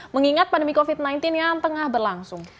mengingat pandemi covid sembilan belas yang tengah berlangsung